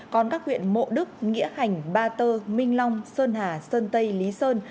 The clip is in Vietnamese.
còn các huyện mộ đức nghĩa hành ba tơ minh long sơn hà sơn tây lý sơn